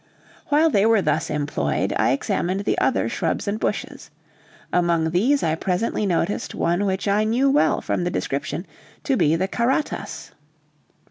While they were thus employed, I examined the other shrubs and bushes. Among these I presently noticed one which I knew well from description to be the karatas.